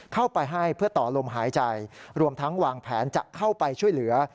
เข้าไปให้เพื่อต่อลมหายใจรวมทั้งวางแผนจะเข้าไปช่วยเหลือ